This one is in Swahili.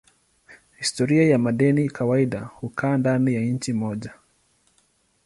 Historia ya madeni kawaida hukaa ndani ya nchi moja.